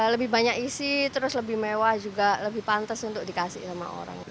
lebih banyak isi terus lebih mewah juga lebih pantas untuk dikasih sama orang